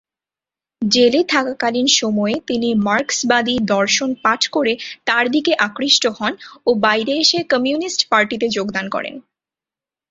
জেলে থাকাকালীন সময়ে তিনি মার্কসবাদী দর্শন পাঠ করে তার দিকে আকৃষ্ট হন ও বাইরে এসে কমিউনিস্ট পার্টিতে যোগদান করেন।